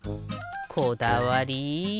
こだわり！